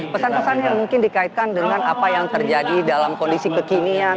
pesan pesan yang mungkin dikaitkan dengan apa yang terjadi dalam kondisi kekinian